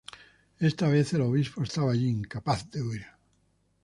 Esta vez, el Obispo estaba allí incapaz de huir.